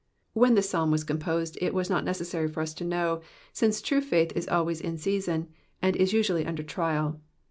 When this Psalm was composed it was not necessary for us to know, since true faith is always in season, and is usually under trial.